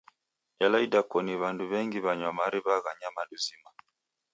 Ela idakoni w'andu w'engi w'anywa mariw'a gha nyamandu zima.